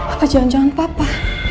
apa jangan jangan papa